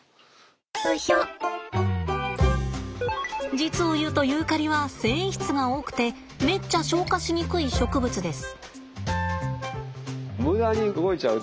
実を言うとユーカリは繊維質が多くてめっちゃ消化しにくい植物です。